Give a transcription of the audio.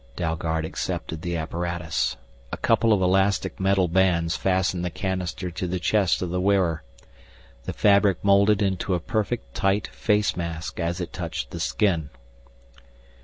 Dalgard accepted the apparatus. A couple of elastic metal bands fastened the canister to the chest of the wearer. The fabric molded into a perfect, tight face mask as it touched the skin.